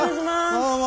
どうも。